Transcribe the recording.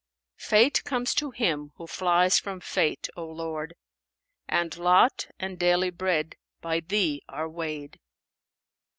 Fate comes to him who flies from Fate, O Lord, * And lot and daily bread by Thee are weighed."